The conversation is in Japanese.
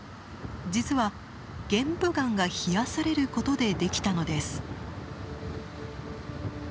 実は玄武岩が冷やされることでできたのです。